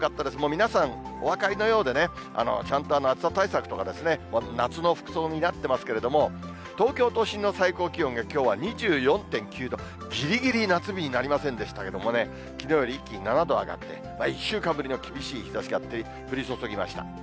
皆さん、お分かりのようでね、ちゃんと暑さ対策とか、夏の服装になってますけれども、東京都心の最高気温がきょうは２４．９度、ぎりぎり夏日になりませんでしたけどね、きのうより一気に７度上がって、１週間ぶりの厳しい日ざしが降り注ぎました。